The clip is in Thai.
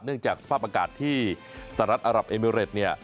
เนื่องจากสภาพอากาศที่สหรัฐอัลหรับเอมิเมอเบรธ